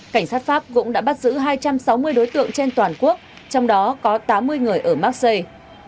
cảnh sát pháp cũng đã bắt giữ hai trăm sáu mươi đối tượng trên toàn quốc trong đó có tám mươi người ở marketi